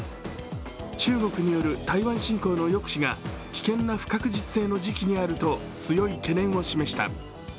中国による台湾侵攻の抑止が危険な不確実性の時期にあると強い懸念を示しました。